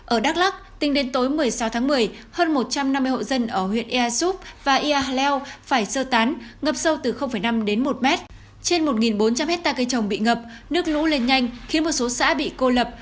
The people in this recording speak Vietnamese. ở đắk lắc tính đến tối một mươi sáu tháng một mươi hơn một trăm năm mươi hộ dân ở huyện ea súp và iao phải sơ tán ngập sâu từ năm đến một mét trên một bốn trăm linh hectare cây trồng bị ngập nước lũ lên nhanh khiến một số xã bị cô lập